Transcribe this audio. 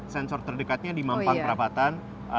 sensor terdekatnya di mampang perapatan